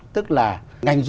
tức là ngành du lịch